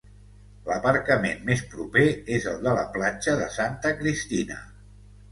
L’aparcament més proper és el de la Platja de Santa Cristina.